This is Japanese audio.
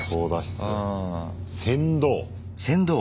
船頭。